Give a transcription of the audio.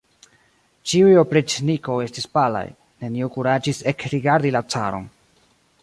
Ĉiuj opriĉnikoj estis palaj; neniu kuraĝis ekrigardi la caron.